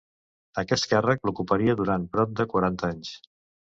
Aquest càrrec l'ocuparia durant prop de quaranta anys.